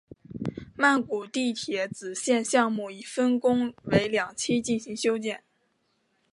曼谷地铁紫线项目已分工为两期进行修建。